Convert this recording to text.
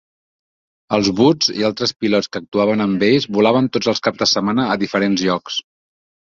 Els Woods i altres pilots que actuaven amb ells volaven tots els caps de setmana a diferents llocs.